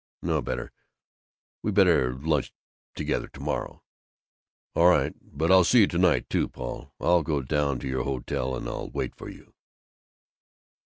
"No, better We better lunch together to morrow." "All right, but I'll see you to night, too, Paul. I'll go down to your hotel, and I'll wait for you!"